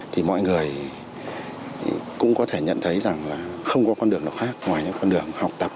thì mọi người cũng có thể nhận thấy rằng là không có con đường nào khác ngoài những con đường học tập